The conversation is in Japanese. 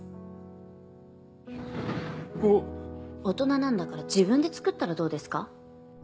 大人なんだから自分で作ったらどうですか？